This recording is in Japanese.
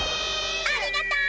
ありがとう！